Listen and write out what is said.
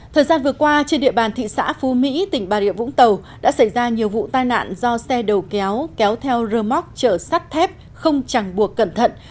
thời gian vừa qua trên địa bàn thị xã phú mỹ tỉnh bà rịa vũng tàu đã xảy ra nhiều vụ tai nạn do xe đầu kéo kéo theo rơ móc chở sắt thép không chẳng buộc cẩn thận